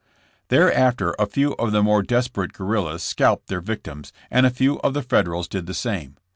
*' Thereafter a few of the more desperate guer rillas scalped their victims, and a few of the Federals did the same.